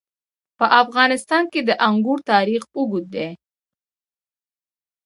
په افغانستان کې د انګور تاریخ اوږد دی.